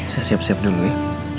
saya siap siap dulu ya